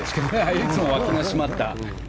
いつも、わきの締まった。